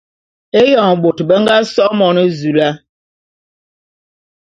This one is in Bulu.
Éyoň bôt be nga so Monezula.